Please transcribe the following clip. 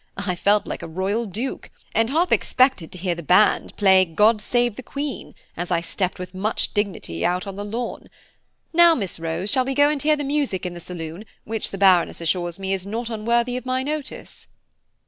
I felt like a Royal Duke, and half expected to hear the band play God save the Queen as I stepped with much dignity out on the lawn. Now, Miss Rose, shall we go and hear the music in the saloon, which the Baroness assures me is not unworthy of my notice?"